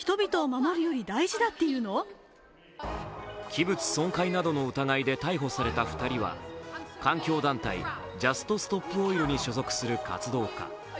器物損壊などの疑いで逮捕された２人は環境団体ジャスト・ストップ・オイルに所属する活動家。